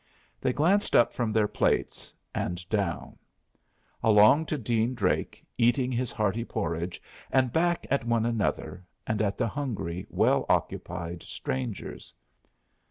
They glanced up from their plates, and down; along to Dean Drake eating his hearty porridge, and back at one another, and at the hungry, well occupied strangers.